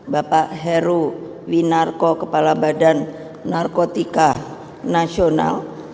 bapak heru winarko kepala badan narkotika nasional